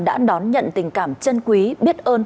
đã đón nhận tình cảm chân quý biết ơn